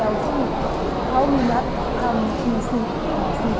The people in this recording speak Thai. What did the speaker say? แต่ท้ายนั้นผู้โดยกันมากที่ต่อแล้ว